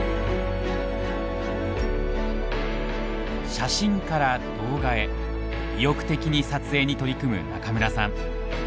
写真から動画へ意欲的に撮影に取り組む中村さん。